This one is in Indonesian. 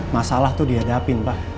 masalah tuh dihadapin pa